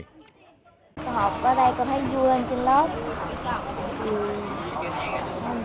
lớp học ở đây tôi thấy vui lên trên lớp